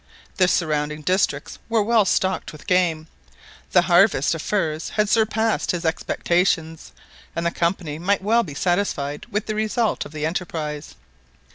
The surrounding districts were well stocked with game, the harvest of furs had surpassed his expectations, and the Company might well be satisfied with the result of the enterprise.